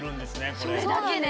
それだけで？